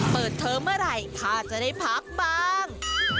เปิดเทอมเมื่อไหร่ถ้าจะได้พักบ้าง